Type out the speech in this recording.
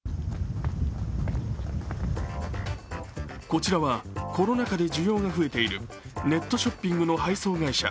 こちらはコロナ禍で需要が増えているネットショッピングの配送会社。